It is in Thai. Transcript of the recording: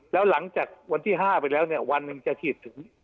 แล้วหลังจากวันที่๕ไปแล้วเนี่ยวันหนึ่งจะฉีดถึง